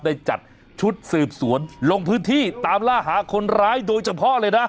ได้จัดชุดสืบสวนลงพื้นที่ตามล่าหาคนร้ายโดยเฉพาะเลยนะ